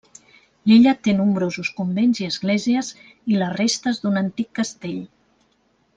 L'illa té nombrosos convents i esglésies i les restes d'un antic castell.